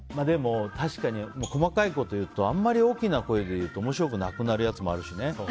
確かに細かいこと言うとあんまり大きな声で言うと面白くなくなるやつもあるしね。